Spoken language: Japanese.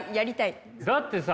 だってさ